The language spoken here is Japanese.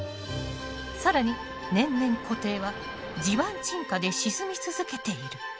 更に年々湖底は地盤沈下で沈み続けている。